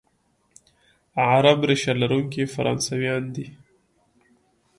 عرب ریشه لرونکي فرانسویان دي،